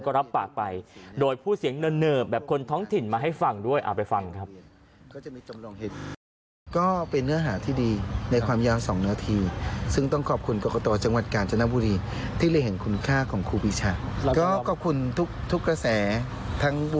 ก็รับปากไปโดยพูดเสียงเนินแบบคนท้องถิ่นมาให้ฟังด้วยเอาไปฟังครับ